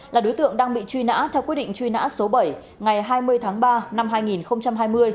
là đối tượng đang bị truy nã theo quyết định truy nã số bảy ngày hai mươi tháng ba năm hai nghìn hai mươi